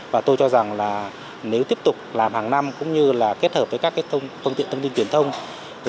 và tôi cho rằng là nếu tiếp tục làm hàng năm cũng như là kết hợp với các phương tiện thông tin truyền thông